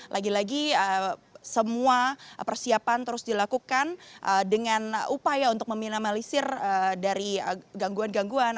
lagi lagi semua persiapan terus dilakukan dengan upaya untuk meminimalisir dari gangguan gangguan